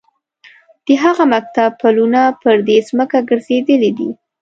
د هغه مکتب پلونه پر دې ځمکه ګرځېدلي دي.